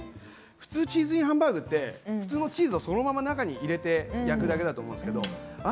普通、チーズインハンバーグって普通のチーズそのまま中に入れて焼くだけだと思うんですけどああ